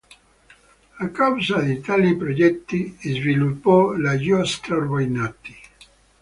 A causa di tali progetti sviluppò la "giostra Urbinati".